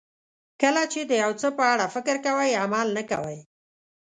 کله چې د یو څه په اړه فکر کوئ عمل نه کوئ.